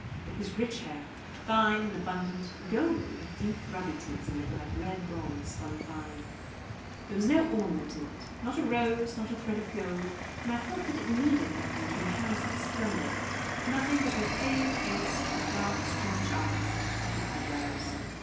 It was rich hair, fine and abundant, golden, with deep ruddy tints in it like red bronze spun fine. There was no ornament in it, not a rose, not a thread of gold, and I felt that it needed nothing to enhance its splendour; nothing but her pale face, her dark strange eyes, and her heavy eyebrows.